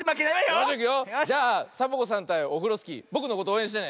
じゃあサボ子さんたいオフロスキーぼくのことおうえんしてね！